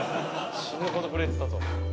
死ぬほど震えてたぞ。